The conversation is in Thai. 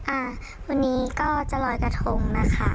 อ่าวันนี้ก็จะลอยกระทงนะคะ